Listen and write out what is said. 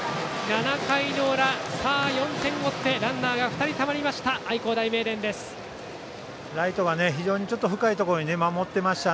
７回の裏、さあ、４点を追ってランナーが２人たまりました。